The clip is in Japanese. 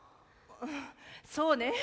そうね